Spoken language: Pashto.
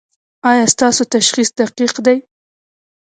ایا ستاسو تشخیص دقیق دی؟